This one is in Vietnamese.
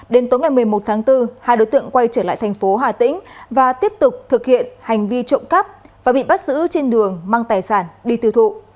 đến tối ngày một mươi một tháng bốn hai đối tượng quay trở lại thành phố hà tĩnh và tiếp tục thực hiện hành vi trộm cắp và bị bắt giữ trên đường mang tài sản đi tiêu thụ